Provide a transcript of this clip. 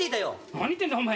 何言ってんだお前。